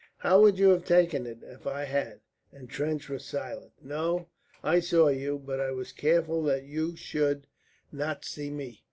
"How would you have taken it if I had?" And Trench was silent. "No, I saw you, but I was careful that you should not see me.